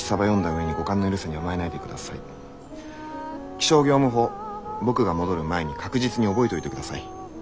気象業務法僕が戻る前に確実に覚えといてください。